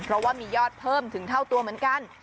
เพราะว่ามียอดเพิ่มถึงเท่าตัวเหมือนกัน